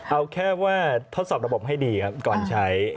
เอาแค่ว่าทดสอบระบบให้ดีครับก่อนใช้